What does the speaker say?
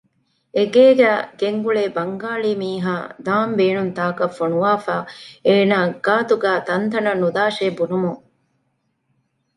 އެގޭގެގައި ގެންގުޅޭ ބަންގާޅި މީހާ ދާން ބޭނުން ތާކަށް ފޮނުވާފައި އޭނަ ގާތުގައި ތަންތަނަށް ނުދާށޭ ބުނުމުން